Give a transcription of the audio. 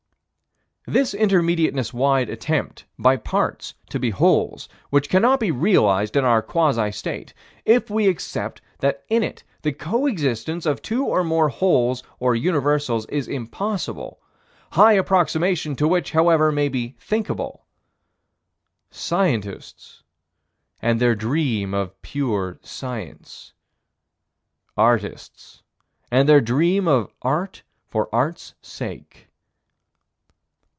This Intermediateness wide attempt by parts to be wholes which cannot be realized in our quasi state, if we accept that in it the co existence of two or more wholes or universals is impossible high approximation to which, however, may be thinkable Scientists and their dream of "pure science." Artists and their dream of "art for art's sake."